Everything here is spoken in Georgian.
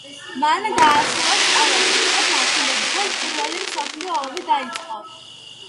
მან დაასრულა სწავლა ზუსტად მაშინ, როდესაც პირველი მსოფლიო ომი დაიწყო.